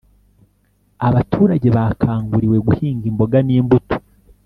Abaturage bakanguriwe guhinga imboga n’imbuto